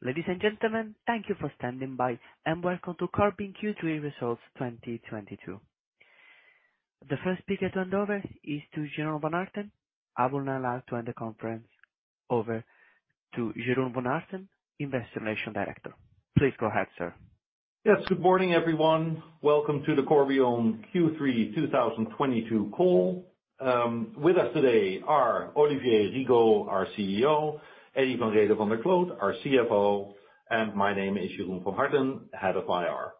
Ladies and gentlemen, thank you for standing by, and welcome to Corbion Q3 Results 2022. The first speaker to hand over is to Jeroen van Harten. I will now like to hand the conference over to Jeroen van Harten, Investor Relations Director. Please go ahead, sir. Yes. Good morning, everyone. Welcome to the Corbion Q3 2022 call. With us today are Olivier Rigaud, our CEO, Eddy van Rhede van der Kloot, our CFO, and my name is Jeroen van Harten, Head of IR.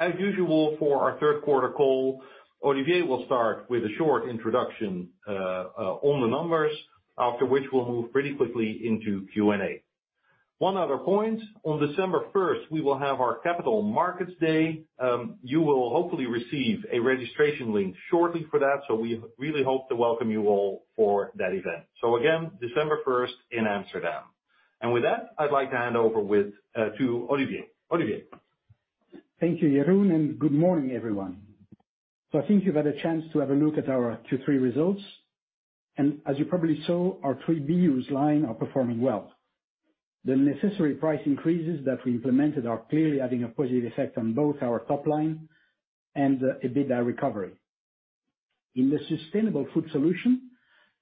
As usual for our third quarter call, Olivier will start with a short introduction on the numbers, after which we'll move pretty quickly into Q&A. One other point, on December first, we will have our Capital Markets Day. You will hopefully receive a registration link shortly for that. We really hope to welcome you all for that event. Again, December first in Amsterdam. With that, I'd like to hand over to Olivier. Olivier. Thank you, Jeroen, and good morning, everyone. I think you've had a chance to have a look at our Q3 results. As you probably saw, our three BUs are performing well. The necessary price increases that we implemented are clearly having a positive effect on both our top line and the EBITDA recovery. In the Sustainable Food Solutions,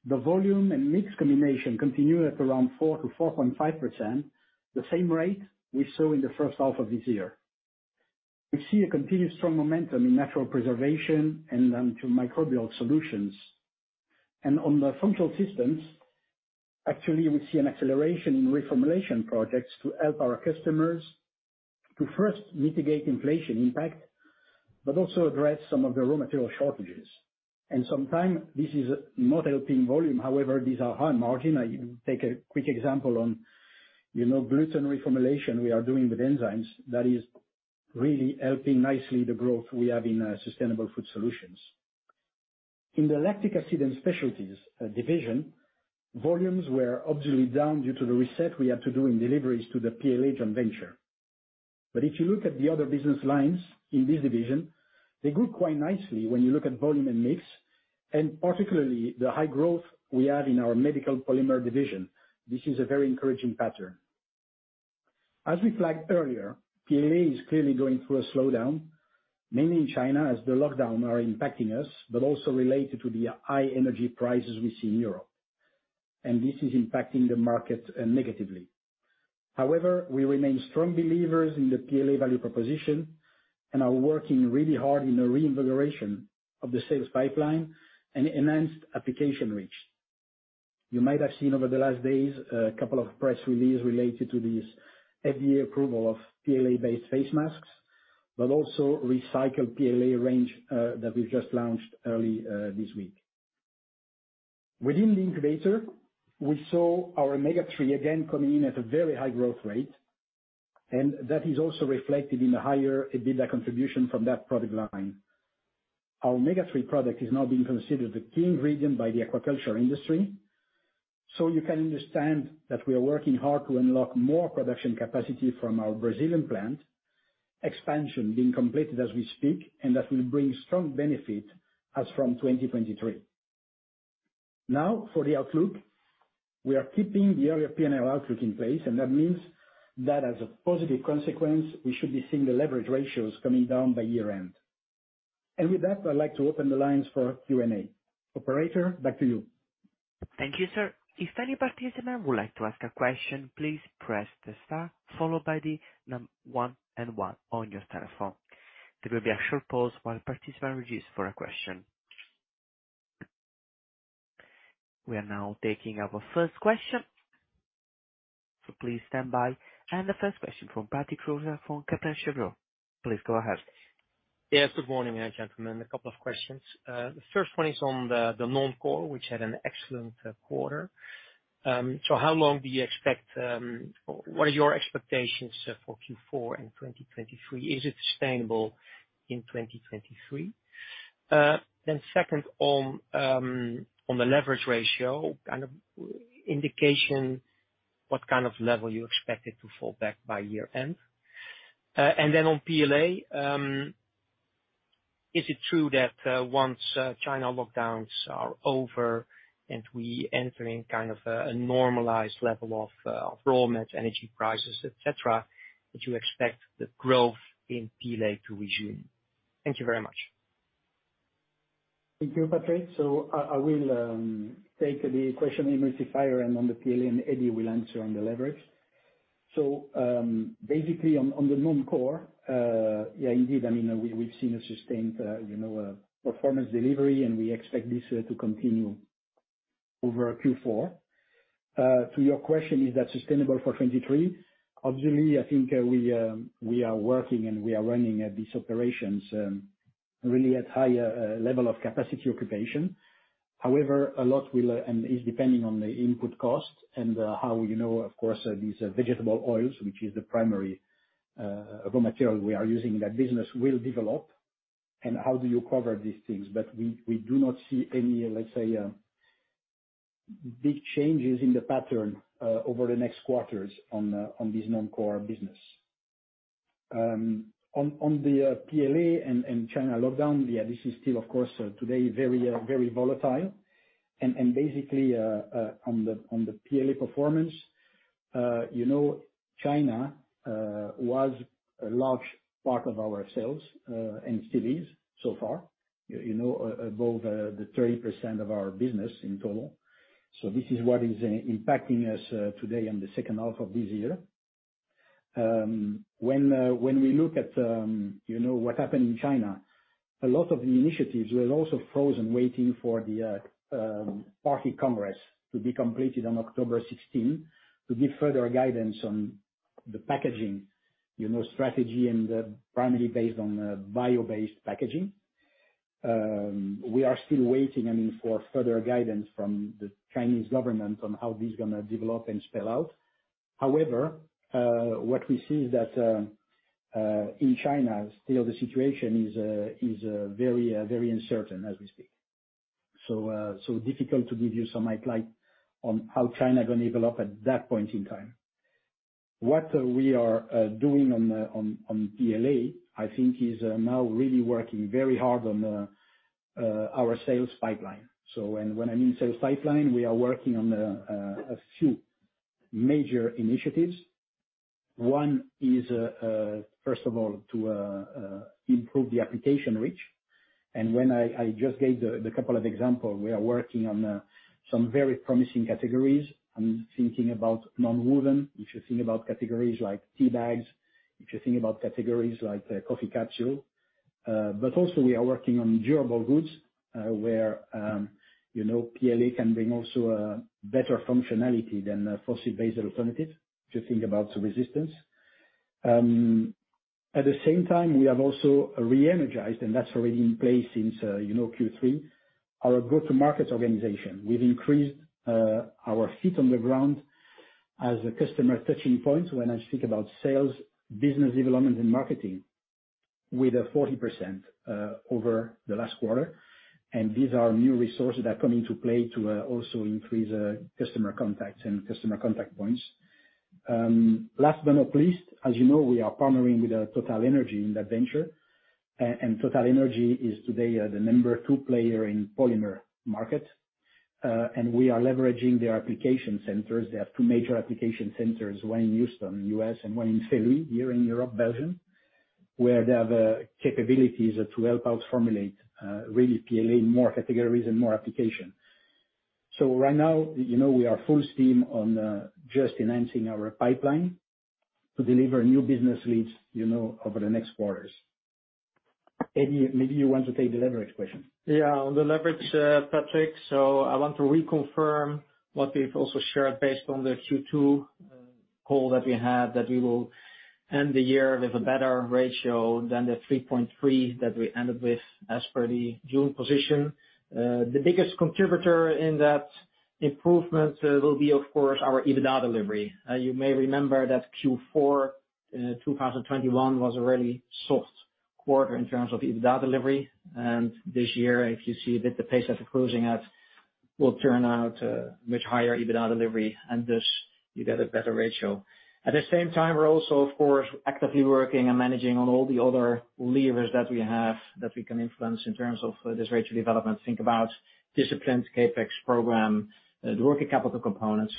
the volume and mix combination continue at around 4%-4.5%, the same rate we saw in the first half of this year. We see a continuous strong momentum in natural preservation and antimicrobial solutions. On the functional systems, actually, we see an acceleration in reformulation projects to help our customers to first mitigate inflation impact, but also address some of the raw material shortages. Sometimes this is not helping volume, however, these are high margin. I take a quick example on, you know, gluten reformulation we are doing with enzymes that is really helping nicely the growth we have in, Sustainable Food Solutions. In the Lactic Acid & Specialties division, volumes were obviously down due to the reset we had to do in deliveries to the PLA joint venture. If you look at the other business lines in this division, they grew quite nicely when you look at volume and mix, and particularly the high growth we have in our Medical Polymers division. This is a very encouraging pattern. As we flagged earlier, PLA is clearly going through a slowdown, mainly in China as the lockdowns are impacting us, but also related to the high energy prices we see in Europe. This is impacting the market negatively. However, we remain strong believers in the PLA value proposition and are working really hard in the reinvigoration of the sales pipeline and enhanced application reach. You might have seen over the last days a couple of press releases related to this FDA approval of PLA-based face masks, but also recycled PLA range that we've just launched early this week. Within the incubator, we saw our omega-3 again coming in at a very high growth rate, and that is also reflected in the higher EBITDA contribution from that product line. Our omega-3 product is now being considered the key ingredient by the aquaculture industry. You can understand that we are working hard to unlock more production capacity from our Brazilian plant, expansion being completed as we speak, and that will bring strong benefit as from 2023. Now for the outlook. We are keeping the earlier P&L outlook in place, and that means that as a positive consequence, we should be seeing the leverage ratios coming down by year-end. With that, I'd like to open the lines for Q&A. Operator, back to you. Thank you, sir. If any participant would like to ask a question, please press the star followed by the number one and one on your telephone. There will be a short pause while participants register for a question. We are now taking our first question. Please stand by. The first question from Patrick Roquas from Kepler Cheuvreux. Please go ahead. Yes, good morning, gentlemen. A couple of questions. The first one is on the non-core, which had an excellent quarter. What are your expectations for Q4 in 2023? Is it sustainable in 2023? Second on the leverage ratio, kind of indication, what kind of level you expect it to fall back by year end? On PLA, is it true that once China lockdowns are over and we entering kind of a normalized level of raw materials, energy prices, et cetera, that you expect the growth in PLA to resume? Thank you very much. Thank you, Patrick Roquas. I will take the question on multiplier and on the PLA, and Eddy will answer on the leverage. Basically on the non-core, yeah, indeed, I mean, we've seen a sustained, you know, performance delivery, and we expect this to continue over Q4. To your question, is that sustainable for 2023? Obviously, I think, we are working and we are running these operations really at higher level of capacity occupation. However, a lot will and is depending on the input cost and, how you know, of course, these vegetable oils, which is the primary raw material we are using in that business will develop and how do you cover these things. We do not see any, let's say, big changes in the pattern over the next quarters on this non-core business. On the PLA and China lockdown, yeah, this is still, of course, today very very volatile. Basically on the PLA performance, you know, China was a large part of our sales in cities so far, you know, above the 30% of our business in total. This is what is impacting us today in the second half of this year. When we look at, you know, what happened in China, a lot of the initiatives were also frozen, waiting for the party congress to be completed on October sixteenth, to give further guidance on the packaging, you know, strategy and primarily based on the bio-based packaging. We are still waiting, I mean, for further guidance from the Chinese government on how this is gonna develop and spell out. However, what we see is that in China, still the situation is very uncertain as we speak. So difficult to give you some insight, like, on how China gonna develop at that point in time. What we are doing on PLA, I think is now really working very hard on our sales pipeline. When I mean sales pipeline, we are working on a few major initiatives. One is first of all to improve the application reach. When I just gave a couple of examples, we are working on some very promising categories. I'm thinking about non-woven. If you think about categories like teabags, if you think about categories like coffee capsule. But also we are working on durable goods, where you know PLA can bring also a better functionality than a fossil-based alternative to think about the resistance. At the same time, we have also re-energized, and that's already in place since you know Q3, our go-to-market organization. We've increased our feet on the ground as a customer touching point when I think about sales, business development and marketing with a 40% over the last quarter. These are new resources that come into play to also increase customer contacts and customer contact points. Last but not least, as you know, we are partnering with TotalEnergies in that venture. TotalEnergies is today the number two player in polymers market. We are leveraging their application centers. They have two major application centers, one in Houston, U.S., and one in Seraing here in Europe, Belgium, where they have capabilities to help us formulate really PLA in more categories and more applications. Right now, you know, we are full steam on just enhancing our pipeline to deliver new business leads, you know, over the next quarters. Eddy, maybe you want to take the leverage question. Yeah. On the leverage, Patrick, so I want to reconfirm what we've also shared based on the Q2 call that we had, that we will end the year with a better ratio than the 3.3 that we ended with as per the June position. The biggest contributor in that improvement will be of course our EBITDA delivery. You may remember that Q4 in 2021 was a really soft quarter in terms of EBITDA delivery. This year, if you see a bit the pace that we're closing at will turn out a much higher EBITDA delivery, and thus you get a better ratio. At the same time, we're also of course actively working and managing on all the other levers that we have that we can influence in terms of this ratio developent. Think about disciplined CapEx program, the working capital components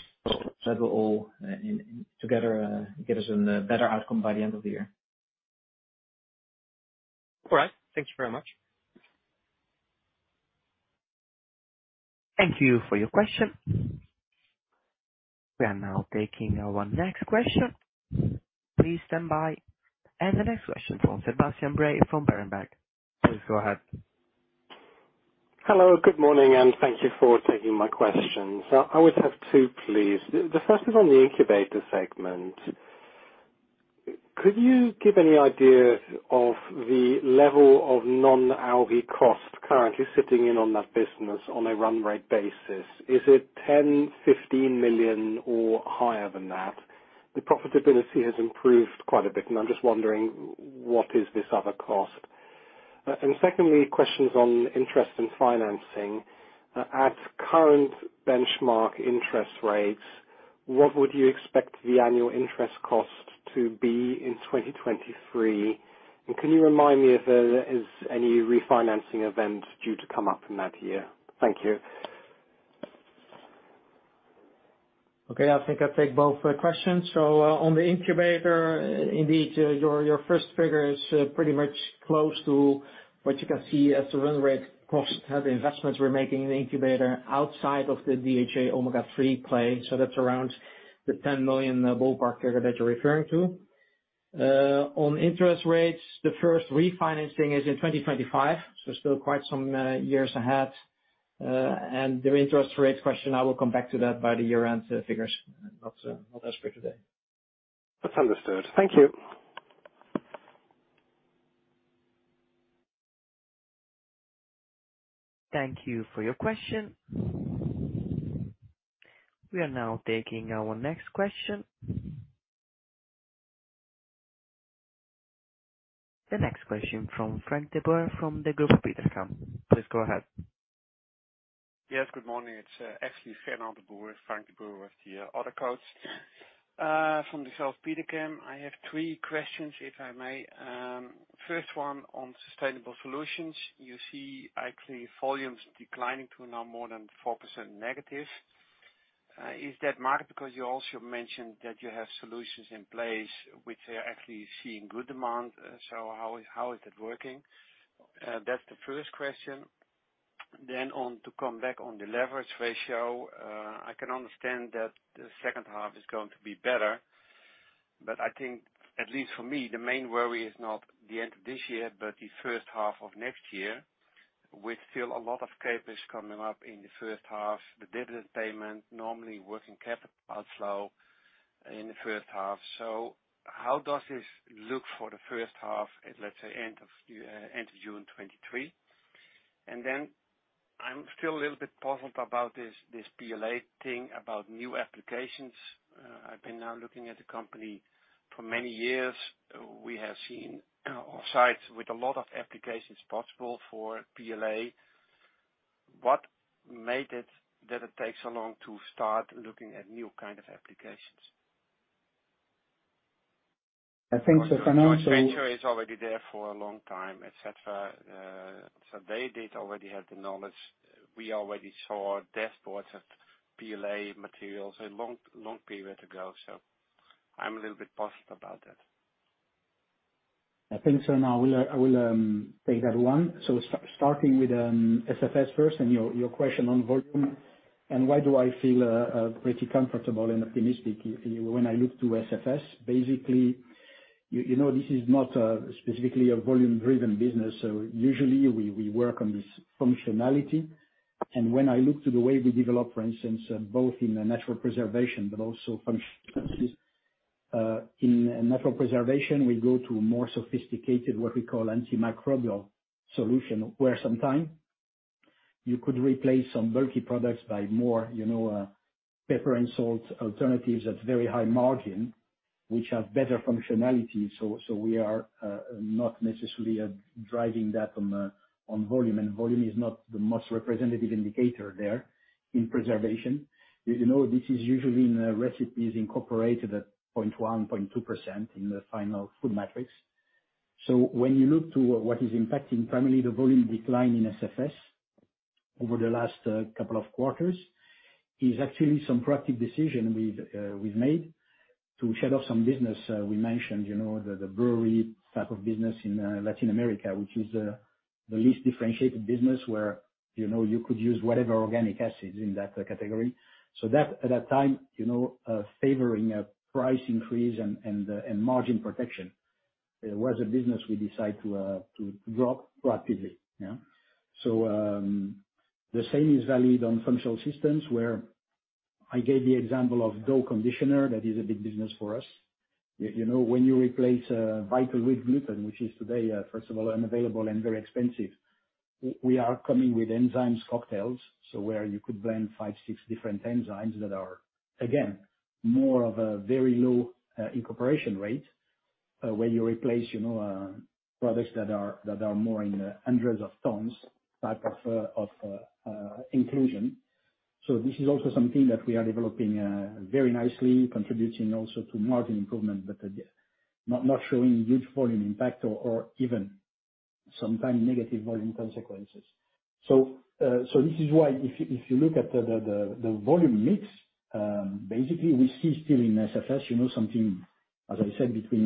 that will all in together give us a better outcome by the end of the year. All right. Thank you very much. Thank you for your question. We are now taking our next question. Please stand by. The next question from Sebastian Bray from Berenberg. Please go ahead. Hello. Good morning, and thank you for taking my questions. I would have two, please. The first is on the incubator segment. Could you give any idea of the level of non-algae cost currently sitting in on that business on a run rate basis? Is it 10 million, 15 million or higher than that? The profitability has improved quite a bit, and I'm just wondering what is this other cost. Secondly, questions on interest and financing. At current benchmark interest rates, what would you expect the annual interest cost to be in 2023? And can you remind me if there is any refinancing event due to come up in that year? Thank you. Okay. I think I'll take both questions. On the incubator, indeed, your first figure is pretty much close to what you can see as the run rate cost. The investments we're making in the incubator outside of the DHA omega-3 play, so that's around the 10 million ballpark figure that you're referring to. On interest rates, the first refinancing is in 2025, so still quite some years ahead. The interest rate question, I will come back to that by the year-end figures. Not as per today. That's understood. Thank you. Thank you for your question. We are now taking our next question. The next question from Fernand de Boer from Degroof Petercam. Please go ahead. Yes, good morning. It's actually Fernand de Boer from Degroof Petercam. I have three questions, if I may. First one on sustainable solutions. You see actually volumes declining to now more than 4% negative. Is that marked because you also mentioned that you have solutions in place which are actually seeing good demand. So how is it working? That's the first question. Then to come back on the leverage ratio. I can understand that the second half is going to be better, but I think, at least for me, the main worry is not the end of this year, but the first half of next year, with still a lot of CapEx coming up in the first half, the dividend payment, normally working capital flow in the first half. How does this look for the first half at, let's say, end of June 2023? Then I'm still a little bit puzzled about this PLA thing about new applications. I've been now looking at the company for many years. We have seen on sites with a lot of applications possible for PLA. What made it that it takes so long to start looking at new kind of applications? I think the financial. The venture is already there for a long time, et cetera. They did already have the knowledge. We already saw dashboards at PLA materials a long, long period ago, so I'm a little bit puzzled about that. I think so now I will take that one. Starting with SFS first and your question on volume and why do I feel pretty comfortable and optimistic when I look to SFS. Basically, you know, this is not specifically a volume driven business, so usually we work on this functionality. When I look to the way we develop, for instance, both in the natural preservation but also functionalities in natural preservation, we go to a more sophisticated, what we call, antimicrobial solution. Sometimes you could replace some bulky products by more, you know, pepper and salt alternatives at very high margin, which have better functionality. We are not necessarily driving that on volume, and volume is not the most representative indicator there in preservation. You know, this is usually in the recipes incorporated at 0.1%-0.2% in the final food matrix. When you look to what is impacting primarily the volume decline in SFS over the last couple of quarters is actually some proactive decision we've made to shed off some business. We mentioned, you know, the brewery type of business in Latin America, which is the least differentiated business where, you know, you could use whatever organic acids in that category. That, at that time, you know, favoring a price increase and margin protection was a business we decide to drop proactively. Yeah. The same is valid on functional systems, where I gave the example of dough conditioner. That is a big business for us. You know, when you replace vital wheat gluten, which is today first of all unavailable and very expensive, we are coming with enzymes cocktails. Where you could blend five, six different enzymes that are again more of a very low incorporation rate, where you replace you know products that are that are more in hundreds of tons type of inclusion. This is also something that we are developing very nicely, contributing also to margin improvement, but not showing huge volume impact or even sometimes negative volume consequences. This is why if you look at the volume mix, basically we see still in SFS you know something, as I said, between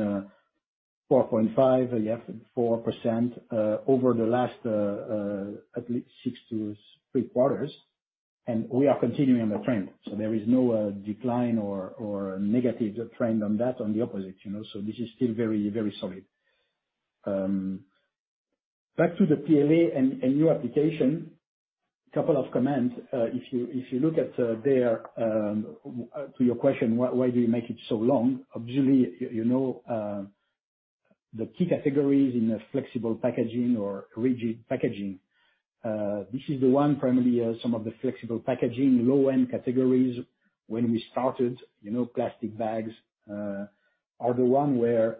4.5%, 4% over the last at least six to three quarters. We are continuing the trend. There is no decline or negative trend on that, on the opposite, you know. This is still very, very solid. Back to the PLA and new application, couple of comments. If you look at to your question, "Why do you make it so long?" Obviously, you know, the key categories in a flexible packaging or rigid packaging, this is the one primarily, some of the flexible packaging, low-end categories when we started, you know, plastic bags, are the one where,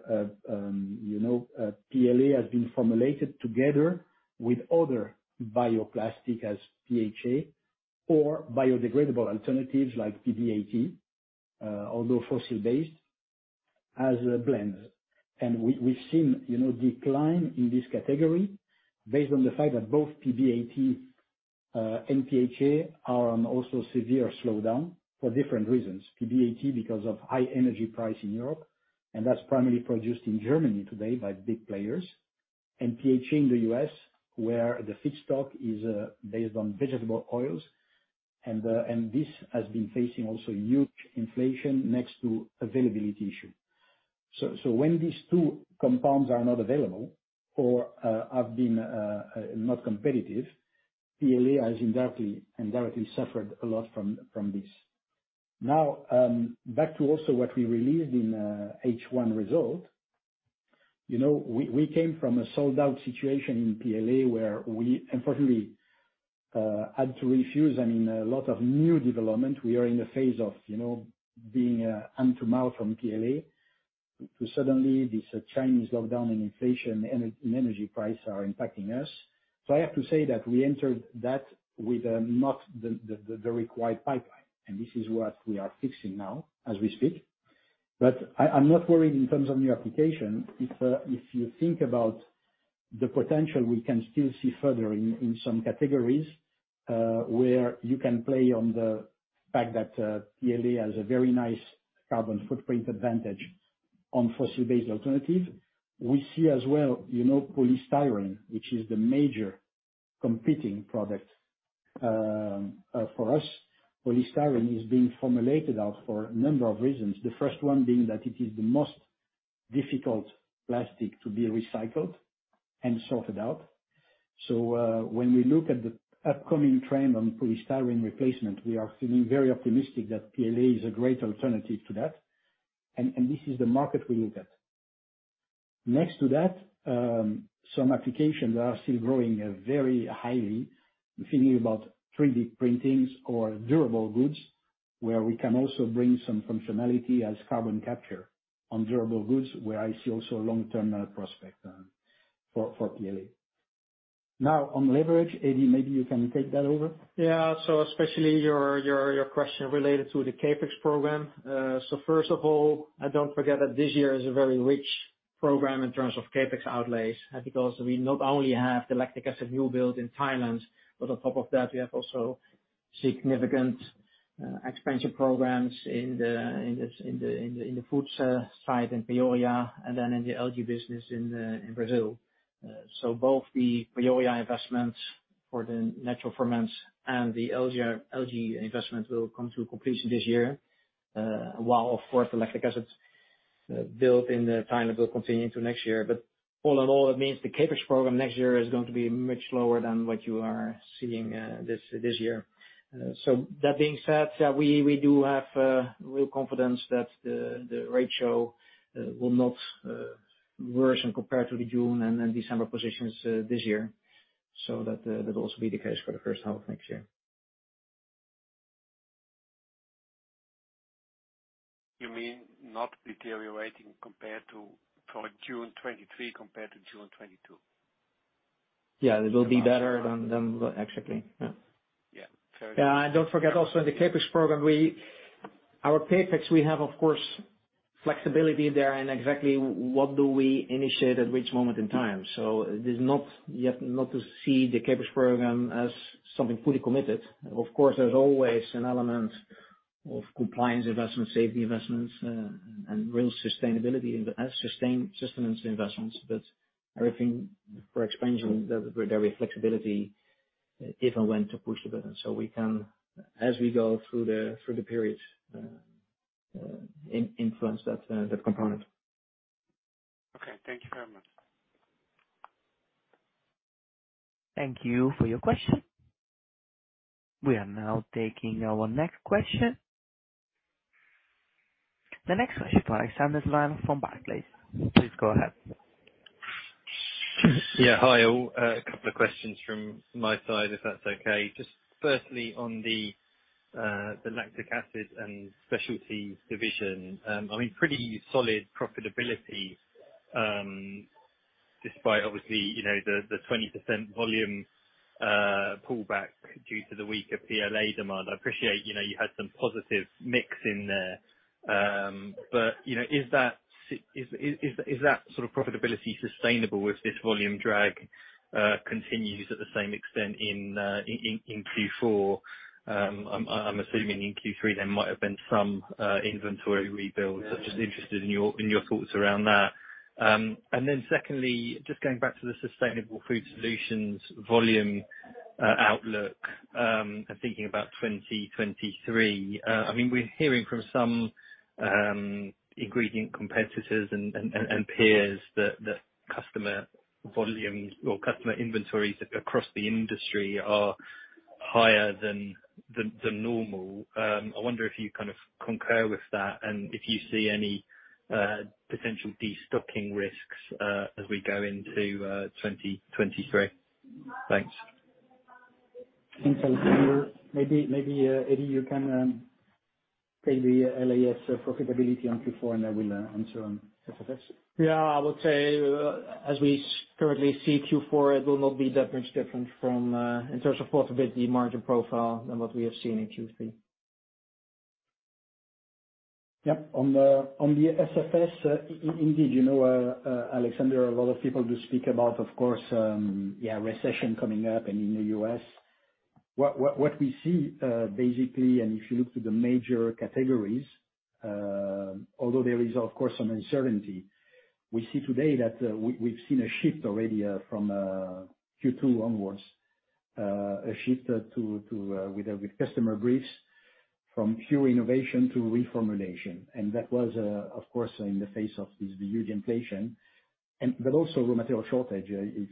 you know, PLA has been formulated together with other bioplastic as PHA or biodegradable alternatives like PBAT, although fossil-based as a blend. We've seen, you know, decline in this category based on the fact that both PBAT and PHA are on also severe slowdown for different reasons. PBAT because of high energy price in Europe, and that's primarily produced in Germany today by big players. PHA in the US, where the feedstock is based on vegetable oils. This has been facing also huge inflation next to availability issue. When these two compounds are not available or have been not competitive, PLA has indirectly suffered a lot from this. Now, back to also what we released in H1 result. You know, we came from a sold-out situation in PLA where we unfortunately had to refuse, I mean, a lot of new development. We are in a phase of, you know, being hand to mouth on PLA. Too suddenly this Chinese lockdown and inflation and energy prices are impacting us. I have to say that we entered that with not the required pipeline, and this is what we are fixing now as we speak. I'm not worried in terms of new application. If you think about the potential, we can still see further in some categories, where you can play on the fact that PLA has a very nice carbon footprint advantage on fossil-based alternative. We see as well, you know, polystyrene, which is the major competing product for us. Polystyrene is being formulated out for a number of reasons, the first one being that it is the most difficult plastic to be recycled and sorted out. When we look at the upcoming trend on polystyrene replacement, we are feeling very optimistic that PLA is a great alternative to that. This is the market we look at. Next to that, some applications are still growing very highly. We're thinking about 3D printing or durable goods, where we can also bring some functionality as carbon capture on durable goods, where I see also a long-term prospect for PLA. Now, on leverage, Eddy, maybe you can take that over. Yeah. Especially your question related to the CapEx program. First of all, don't forget that this year is a very rich program in terms of CapEx outlays, because we not only have the lactic acid new build in Thailand, but on top of that, we have also significant expansion programs in the foods side in Peoria and then in the algae business in Brazil. Both the Peoria investment for the natural ferments and the algae investment will come to completion this year. While of course lactic acid's build in Thailand will continue into next year. All in all, it means the CapEx program next year is going to be much lower than what you are seeing this year. That being said, we do have real confidence that the ratio will not worsen compared to the June and then December positions this year, so that'll also be the case for the first half of next year. You mean not deteriorating compared to from June 2023 compared to June 2022? Yeah. It will be better than actually. Yeah. Yeah. Fair enough. Don't forget also in the CapEx program. Our CapEx, we have, of course, flexibility there in exactly what do we initiate at which moment in time. It is not to see the CapEx program as something fully committed. Of course, there's always an element of compliance investments, safety investments, and real sustainability investments. But everything for expansion, there is flexibility if and when to push the button. We can, as we go through the periods, influence that performance. Okay. Thank you very much. Thank you for your question. We are now taking our next question. The next question from Alexander Sloane from Barclays. Please go ahead. Yeah. Hi, all. A couple of questions from my side, if that's okay. Just firstly, on the Lactic Acid & Specialties division, I mean, pretty solid profitability, despite obviously, you know, the 20% volume pullback due to the weaker PLA demand. I appreciate, you know, you had some positive mix in there. You know, is that sort of profitability sustainable if this volume drag continues at the same extent in Q4? I'm assuming in Q3 there might have been some inventory rebuild. Just interested in your thoughts around that. Secondly, just going back to the Sustainable Food Solutions volume outlook, and thinking about 2023. I mean, we're hearing from some ingredient competitors and peers that customer volumes or customer inventories across the industry are higher than normal. I wonder if you kind of concur with that and if you see any potential destocking risks as we go into 2023. Thanks. Thanks, Alexander. Maybe, Eddy, you can take the LAS profitability on Q4, and I will answer on SFS. Yeah. I would say, as we currently see Q4, it will not be that much different from in terms of profitability margin profile than what we have seen in Q3. Yep. On the SFS, indeed, you know, Alexander, a lot of people do speak about, of course, recession coming up and in the U.S. What we see, basically, and if you look to the major categories, although there is of course some uncertainty, we see today that we've seen a shift already from Q2 onwards, a shift to with customer briefs from pure innovation to reformulation. That was, of course, in the face of this huge inflation and but also raw material shortage, if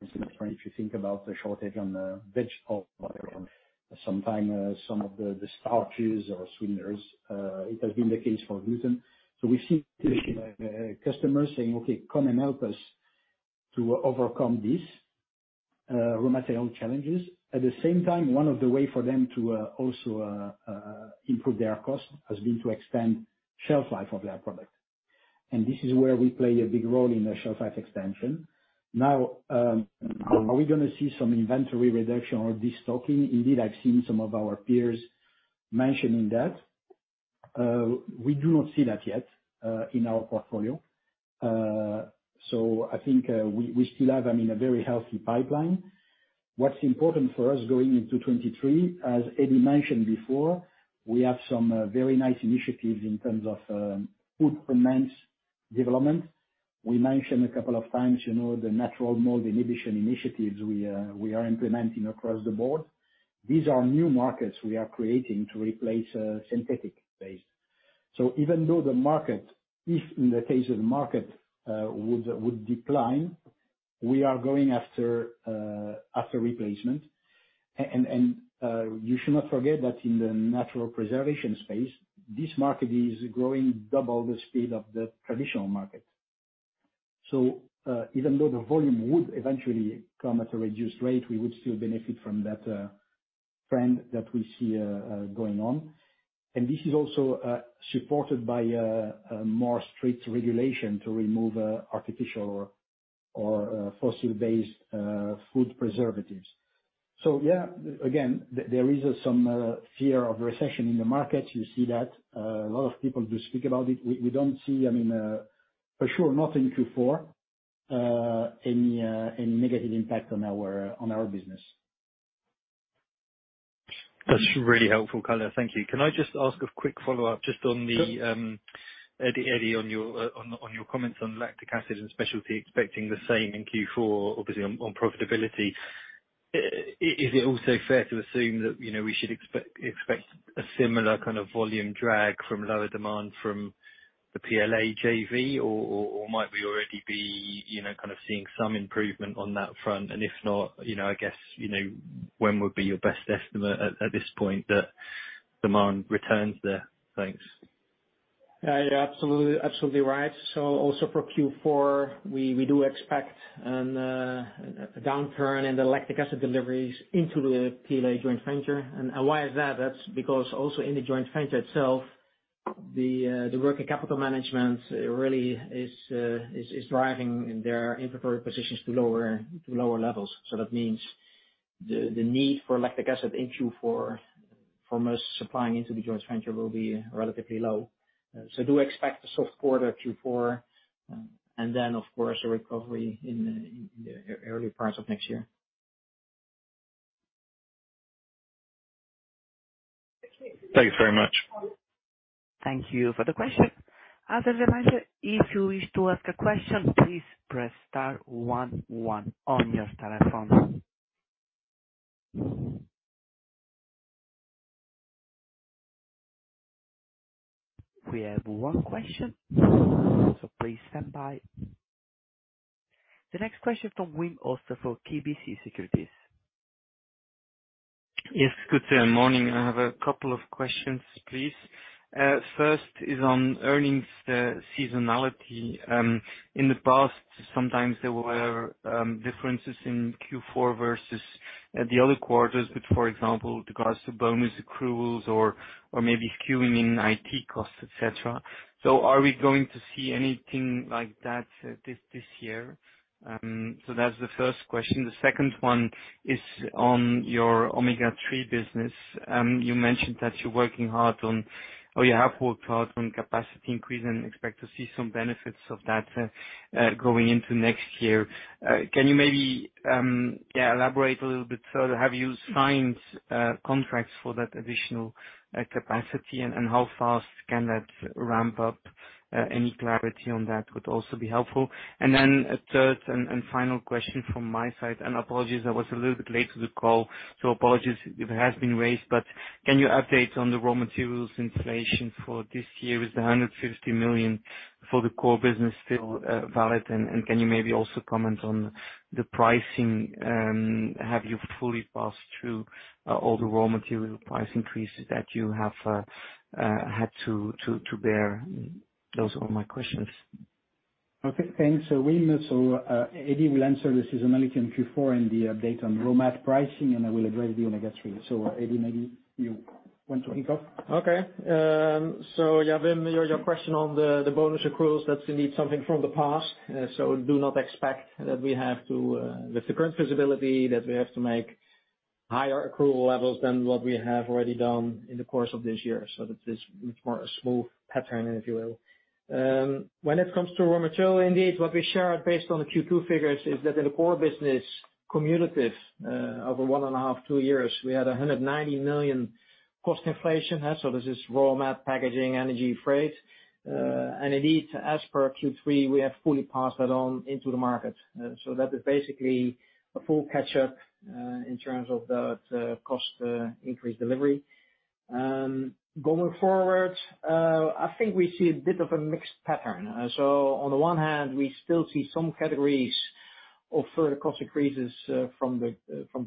it's different if you think about the shortage on vegetable oil or sometimes some of the starches or sweeteners. It has been the case for gluten. We see customers saying, "Okay, come and help us to overcome this." Raw material challenges. At the same time, one of the way for them to also improve their cost has been to extend shelf life of their product. This is where we play a big role in the shelf life extension. Now, are we gonna see some inventory reduction or destocking? Indeed, I've seen some of our peers mentioning that. We do not see that yet in our portfolio. I think we still have, I mean, a very healthy pipeline. What's important for us going into 2023, as Eddy mentioned before, we have some very nice initiatives in terms of food performance development. We mentioned a couple of times, you know, the natural mold inhibition initiatives we are implementing across the board. These are new markets we are creating to replace a synthetic base. Even though the market, if in the case of the market, would decline, we are going after replacement. You should not forget that in the natural preservation space, this market is growing double the speed of the traditional market. Even though the volume would eventually come at a reduced rate, we would still benefit from that trend that we see going on. This is also supported by a more strict regulation to remove artificial or fossil-based food preservatives. Yeah, again, there is some fear of recession in the market. You see that. A lot of people do speak about it. We don't see, I mean, for sure not in Q4, any negative impact on our business. That's really helpful, Olivier. Thank you. Can I just ask a quick follow-up just on the, Eddy, on your comments on Lactic Acid & Specialties expecting the same in Q4, obviously on profitability. Is it also fair to assume that, you know, we should expect a similar kind of volume drag from lower demand from the PLA JV or might we already be, you know, kind of seeing some improvement on that front? If not, you know, I guess, you know, when would be your best estimate at this point that demand returns there? Thanks. You're absolutely right. Also for Q4, we do expect a downturn in the lactic acid deliveries into the PLA joint venture. Why is that? That's because also in the joint venture itself, the working capital management really is driving their inventory positions to lower levels. That means the need for lactic acid in Q4 for most supplying into the joint venture will be relatively low. Do expect a soft quarter Q4, and then of course a recovery in the early parts of next year. Thank you very much. Thank you for the question. As a reminder, if you wish to ask a question, please press star one one on your telephone. We have one question, so please stand by. The next question from Wim Hoste for KBC Securities. Yes, good day and morning. I have a couple of questions, please. First is on earnings, seasonality. In the past, sometimes there were differences in Q4 versus the other quarters, but for example, because of bonus accruals or maybe skewing in IT costs, et cetera. Are we going to see anything like that this year? That's the first question. The second one is on your omega-3 business. You mentioned that you're working hard on, or you have worked hard on capacity increase and expect to see some benefits of that, going into next year. Can you maybe, yeah, elaborate a little bit further? Have you signed contracts for that additional capacity and how fast can that ramp up? Any clarity on that would also be helpful. a third and final question from my side, and apologies, I was a little bit late to the call, so apologies if it has been raised, but can you update on the raw materials inflation for this year? Is the 150 million for the core business still valid? Can you maybe also comment on the pricing? Have you fully passed through all the raw material price increases that you have had to bear? Those are my questions. Okay, thanks, Wim, Eddy will answer the seasonality in Q4 and the update on raw material pricing, and I will address the omega-3. Eddy, maybe you want to kick off. Okay. Wim, your question on the bonus accruals, that's indeed something from the past. Do not expect that we have to, with the current visibility, make higher accrual levels than what we have already done in the course of this year. That is much more a smooth pattern, if you will. When it comes to raw material, indeed, what we shared based on the Q2 figures is that in the core business cumulative, over a one and half, two years, we had 190 million cost inflation. This is raw mat, packaging, energy, freight. Indeed, as per Q3, we have fully passed that on into the market. That is basically a full catch-up in terms of that cost increase delivery. Going forward, I think we see a bit of a mixed pattern. On the one hand, we still see some categories of further cost increases from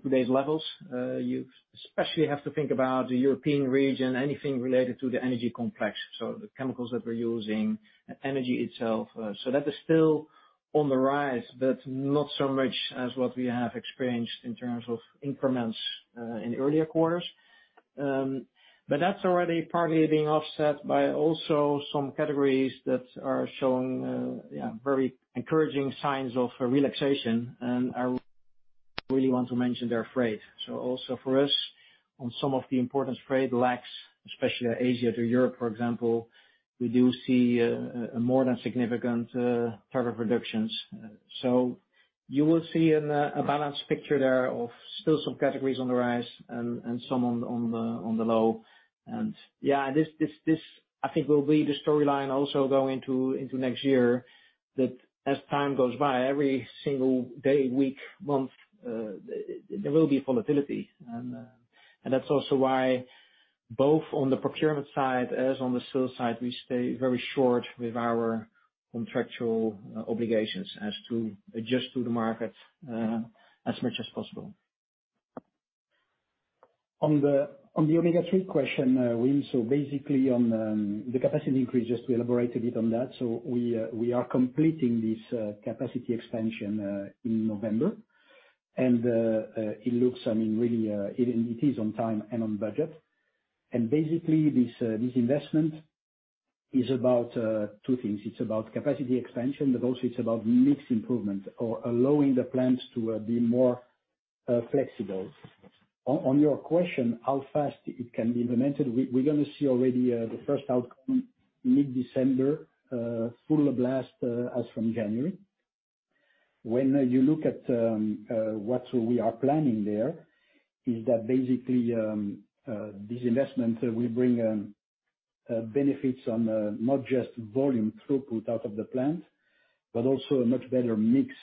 today's levels. You especially have to think about the European region, anything related to the energy complex, so the chemicals that we're using, energy itself. That is still on the rise, but not so much as what we have experienced in terms of increments in earlier quarters. That's already partly being offset by also some categories that are showing yeah very encouraging signs of relaxation. I really want to mention the freight. Also for us, on some of the important freight lanes, especially Asia to Europe, for example, we do see a more than significant rate reductions. You will see in a balanced picture there of still some categories on the rise and some on the low. Yeah, this I think will be the storyline also going into next year, that as time goes by, every single day, week, month, there will be volatility. That's also why both on the procurement side, as on the sales side, we stay very short with our contractual obligations as to adjust to the market, as much as possible. On the omega-3 question, so basically on the capacity increases, we elaborated it on that. We are completing this capacity expansion in November. It looks, I mean, really, it is on time and on budget. Basically, this investment is about two things. It's about capacity expansion, but also it's about mix improvement or allowing the plants to be more flexible. On your question, how fast it can be implemented, we're gonna see already the first outcome mid-December, full blast as from January. When you look at what we are planning there, is that basically this investment will bring benefits on not just volume throughput out of the plant, but also a much better mix.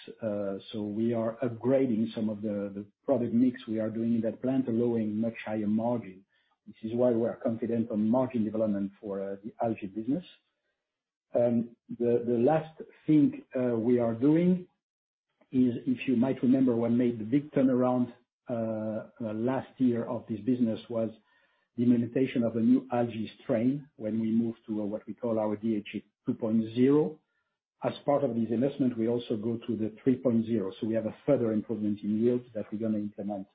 We are upgrading some of the product mix we are doing in that plant, allowing much higher margin, which is why we are confident on margin development for the algae business. The last thing we are doing is, if you might remember what made the big turnaround last year of this business was the implementation of a new algae strain when we moved to what we call our DHA 2.0. As part of this investment, we also go to the 3.0. We have a further improvement in yield that we're gonna implement.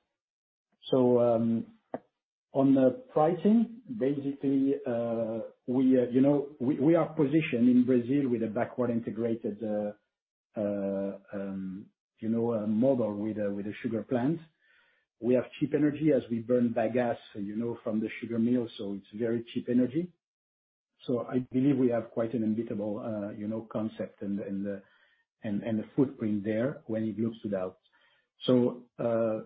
On the pricing, basically, we, you know, we are positioned in Brazil with a backward integrated, you know, model with a sugar plant. We have cheap energy as we burn bagasse, you know, from the sugar mill, so it's very cheap energy. I believe we have quite an unbeatable, you know, concept and a footprint there when you look at that.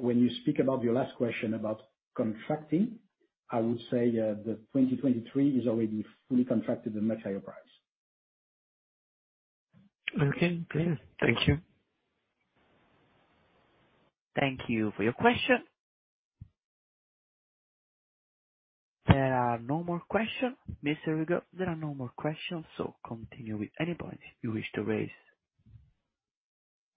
When you speak about your last question about contracting, I would say that 2023 is already fully contracted at much higher price. Okay, clear. Thank you. Thank you for your question. There are no more questions. Mr. Rigaud, there are no more questions, so continue with any point you wish to raise.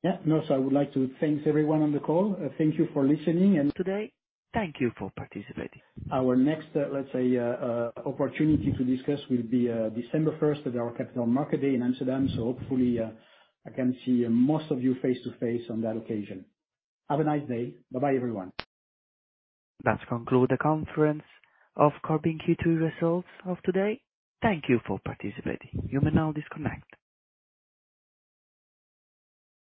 I would like to thank everyone on the call. Thank you for listening and Today. Thank you for participating. Our next opportunity to discuss will be December first at our Capital Markets Day in Amsterdam. Hopefully I can see most of you face-to-face on that occasion. Have a nice day. Bye-bye, everyone. That concludes the conference of Corbion Q2 results of today. Thank you for participating. You may now disconnect.